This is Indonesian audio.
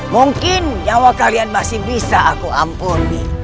mungkin nyawa kalian masih bisa aku ampuni